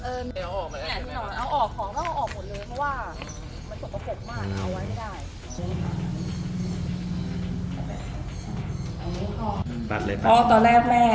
เอาออกหมดเลยเพราะว่ามันตกประเศษมากเอาไว้ไม่ได้